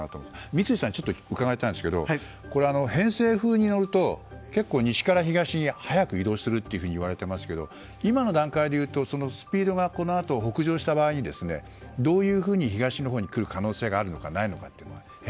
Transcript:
三井さんに伺いたいんですが偏西風に乗ると結構西から東に速く移動するっていわれていますけど今の段階でいうとスピードがこのあと北上した場合どういうふうに東のほうに来る可能性があるのかないのか。